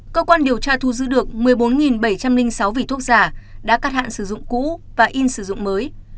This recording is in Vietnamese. cơ quan điều tra thu giữ được một mươi bốn bảy trăm linh sáu vỉ thuốc giả đã cắt hạn sử dụng cũ và in sử dụng mới